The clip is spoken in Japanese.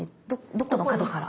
どこの角から？